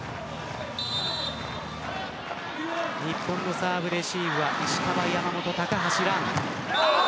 日本のサーブレシーブは石川と山本と高橋藍。